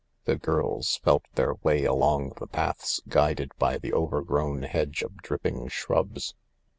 The girls felt their way along the paths guided by the overgrown hedge of dripping shrubs.